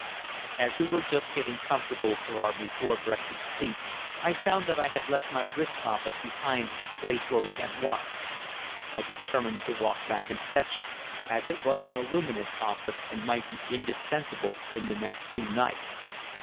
As we were just getting comfortable for our before breakfast sleep I found that I had left my wrist compass behind at the place where we had washed. I determined to walk back and fetch it, as it was an illuminate compass and might be indispensable in the next two nights.